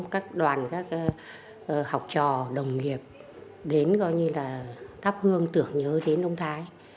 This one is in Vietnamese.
các đoàn các học trò đồng nghiệp đến gọi như là tháp hương tưởng nhớ đến ông thái